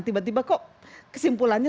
tiba tiba kok kesimpulannya